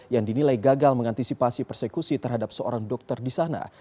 yang dinilai gagal mengantisipasi persekusi terhadap seorang dokter di sana